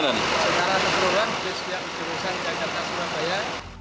sekarang seluruhan bus yang berjurusan jakarta surabaya